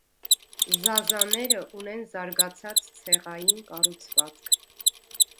Զազաները ունեն զարգացած ցեղային կառուցվածք։